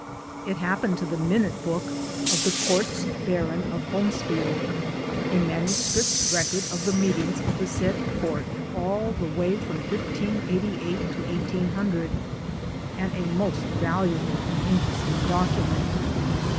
It happened to the Minute Book of the Courts Baron of Holmesfield a manu script record of the meetings of the said Court all the way from 1588 to 1800, and a most valuable and interesting document.